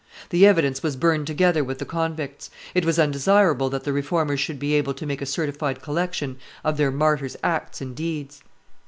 The evidence was burned together with the convicts; it was undesirable that the Reformers should be able to make a certified collection of their martyrs' acts and deeds.